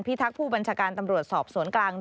ทักษ์ผู้บัญชาการตำรวจสอบสวนกลาง